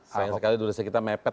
sayang sekali dulu saya kita mepet